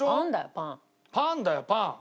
パンだよパン。